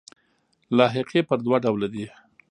لاحقې پر دوه ډوله دي.